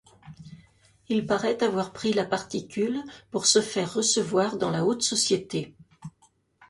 Il parait avoir pris la particule pour se faire recevoir dans la haute société.